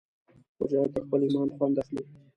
مجاهد د خپل ایمان خوند اخلي.